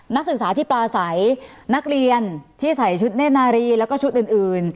นักศึกษาที่ปลาใสนักเรียนที่ใส่ชุดเน่นนารีแล้วก็ชุดอื่น